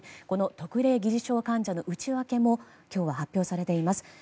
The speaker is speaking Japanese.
この特例疑似症患者の内訳も今日は発表されています。